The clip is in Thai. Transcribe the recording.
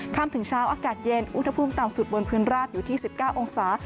คำถึงเช้าอากาศเย็นอุณหภูมิต่ำสุดบนพื้นราบอยู่ที่๑๙องศา